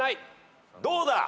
どうだ！？